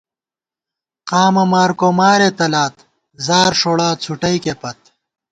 قامہ مارکو مارے تلات ، زار ݭوڑا څُھٹَئیکے پت